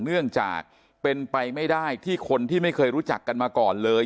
เนื่องจากเป็นไปไม่ได้ที่คนที่ไม่เคยรู้จักกันมาก่อนเลย